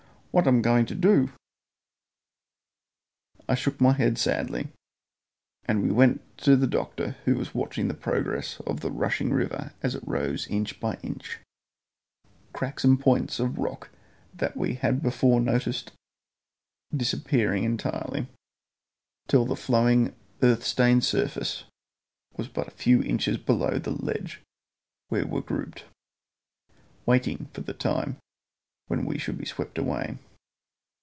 "What um going to do?" I shook my head sadly, and went to where the doctor was watching the progress of the rushing river as it rose inch by inch cracks and points of rock that we had before noticed disappearing entirely, till the flowing earth stained surface was but a few inches below the ledge where we were grouped, waiting for the time when we should be swept away.